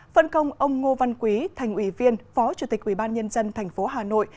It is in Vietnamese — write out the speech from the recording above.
phân công ông ngô văn quý thành ủy viên phó chủ tịch ubnd tp hà nội